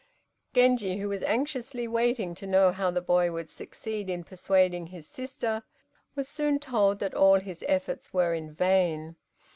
Genji, who was anxiously waiting to know how the boy would succeed in persuading his sister, was soon told that all his efforts were in vain.